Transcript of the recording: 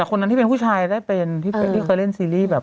แต่คนนั้นที่เป็นผู้ชายได้เป็นที่เคยเล่นซีรีส์แบบ